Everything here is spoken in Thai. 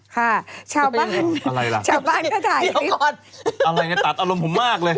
ค่ะชาวบ้านอะไรล่ะชาวบ้านก็ถ่ายทอดอะไรไงตัดอารมณ์ผมมากเลย